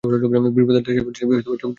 বিপ্রদাস বিছানা ছেড়ে চৌকিতে উঠে বসল।